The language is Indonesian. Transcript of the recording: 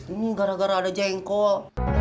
ini gara gara ada jengkol